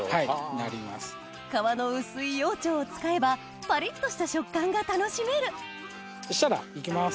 皮の薄い羊腸を使えばパリっとした食感が楽しめるそしたらいきます。